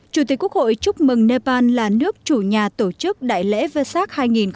chủ tịch quốc hội chúc mừng nepal là nước chủ nhà tổ chức đại lễ vsat hai nghìn hai mươi